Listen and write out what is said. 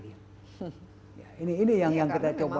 ini yang kita coba